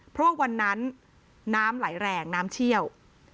เพราะวันนั้นน้ำไหลแรงน้ำเชี่ยว